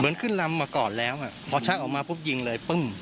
ขึ้นลำมาก่อนแล้วพอชักออกมาปุ๊บยิงเลยปึ้ม